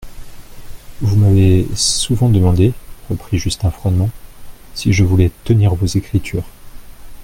Vous m'avez souvent demandé, reprit Justin froidement, si je voulais tenir vos écritures.